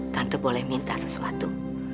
tante boleh minta sesuatu